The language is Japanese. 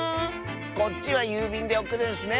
こっちはゆうびんでおくるんスね！